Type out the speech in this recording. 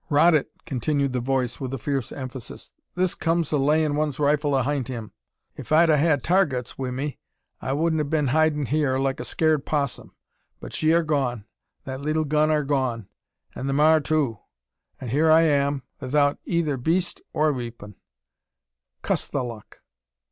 "Rot it!" continued the voice, with a fierce emphasis; "this comes o' layin' one's rifle ahint them. Ef I'd 'a had Tar guts wi' me, I wudn't 'a been hidin' hyur like a scared 'possum. But she are gone; that leetle gun are gone; an' the mar too; an' hyur I am 'ithout eyther beast or weepun; cuss the luck!"